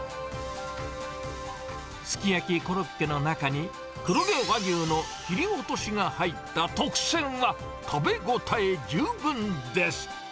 すき焼コロッケの中に、黒毛和牛の切り落としが入った特撰は食べ応え十分です。